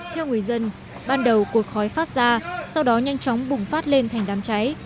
theo người dân ban đầu cột khói phát ra sau đó nhanh chóng bùng phát lên thành đám cháy